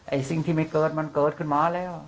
สิ่งที่ไม่เกิดมันเกิดขึ้นมาแล้ว